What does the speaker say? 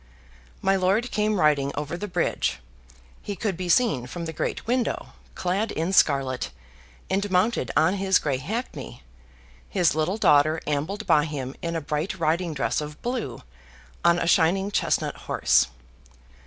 My lord came riding over the bridge he could be seen from the great window, clad in scarlet, and mounted on his gray hackney his little daughter ambled by him in a bright riding dress of blue, on a shining chestnut horse.